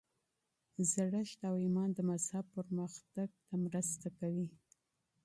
زړښت او ایمان د مذهب پرمختګ ته مرسته کوي.